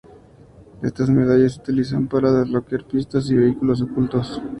Estas medallas se utilizan para desbloquear pistas y vehículos ocultos.